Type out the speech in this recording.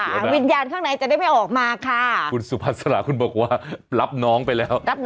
วิญญาณข้างในจะได้ไม่ออกมาค่ะคุณสุภาษาคุณบอกว่ารับน้องไปแล้ว